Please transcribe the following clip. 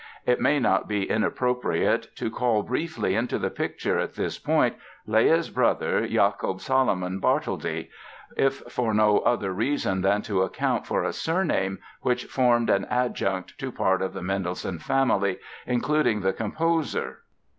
It may not be inappropriate to call briefly into the picture at this point Leah's brother, Jacob Salomon Bartholdy, if for no other reason than to account for a surname which formed an adjunct to part of the Mendelssohn family, including the composer.